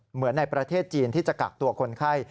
เหมือนในประเทศจีนที่จะกักตัวคนไข้